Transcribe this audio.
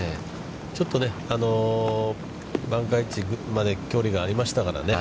ちょっとバンカーエッジまで距離がありましたからね。